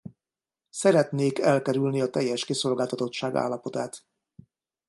Szeretnék elkerülni a teljes kiszolgáltatottság állapotát.